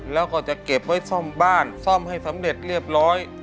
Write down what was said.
แล้วก็จะเก็บไว้ซ่อมบ้านซ่อมให้สำเร็จเรียบร้อย